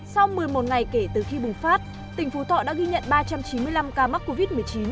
sau một mươi một ngày kể từ khi bùng phát tỉnh phú thọ đã ghi nhận ba trăm chín mươi năm ca mắc covid một mươi chín